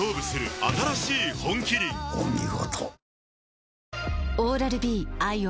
お見事。